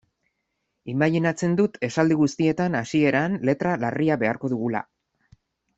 Imajinatzen dut esaldi guztietan hasieran letra larria beharko dugula.